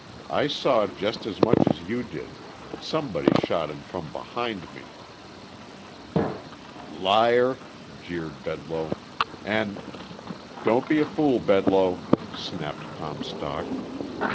"I saw just as much as you did. Somebody shot him from behind me." "Liar!" jeered Bedloe. "An'..." "Don't be a fool, Bedloe," snapped Comstock.